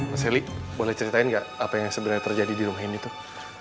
mas selly boleh ceritain gak apa yang sebenernya terjadi di rumah ini tuh